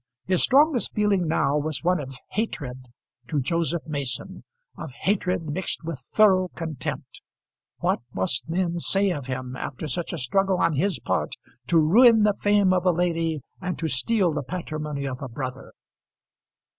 His strongest feeling now was one of hatred to Joseph Mason, of hatred mixed with thorough contempt. What must men say of him after such a struggle on his part to ruin the fame of a lady and to steal the patrimony of a brother!